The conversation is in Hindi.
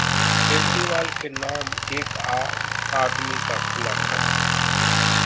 केजरीवाल के नाम एक आम आदमी का खुला खत